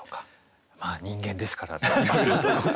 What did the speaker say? まあ人間ですからね。